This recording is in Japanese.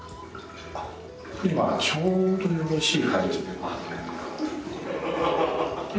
今ちょうどよろしい感じで。